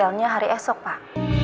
harianya hari esok pak